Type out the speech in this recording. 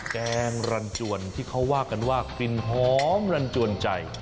แกงรันจวนที่เขาว่ากันว่ากลิ่นหอมรันจวนใจ